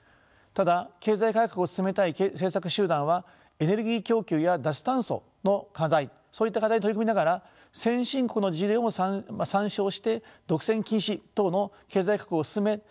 ただ経済改革を進めたい政策集団はエネルギー供給や脱炭素の課題そういった課題に取り組みながら先進国の事例をも参照して独占禁止等の経済改革を進め